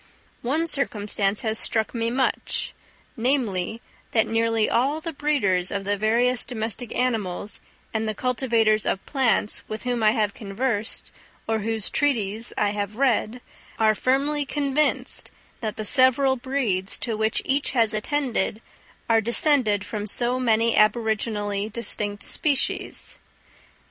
One circumstance has struck me much; namely, that nearly all the breeders of the various domestic animals and the cultivators of plants, with whom I have conversed, or whose treatises I have read, are firmly convinced that the several breeds to which each has attended, are descended from so many aboriginally distinct species.